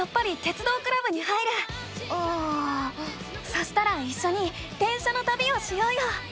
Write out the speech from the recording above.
そしたらいっしょに電車のたびをしようよ！